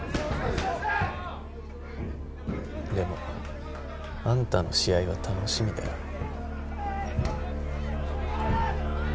でもあんたの試合は楽しみだよ。